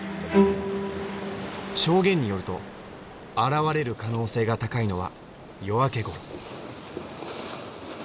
証言によると現れる可能性が高いのは夜明けごろ。